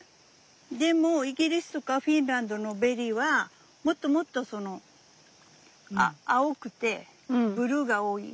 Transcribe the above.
でもイギリスとかフィンランドのベリーはもっともっとその青くてブルーが多い。